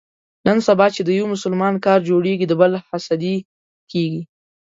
نن سبا چې د یو مسلمان کار جوړېږي، د بل حسدي کېږي.